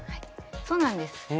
そうなんです。